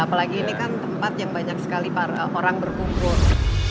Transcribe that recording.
apalagi ini kan tempat yang banyak sekali orang berkumpul